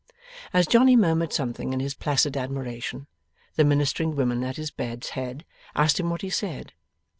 As Johnny murmured something in his placid admiration, the ministering women at his bed's head asked him what he said.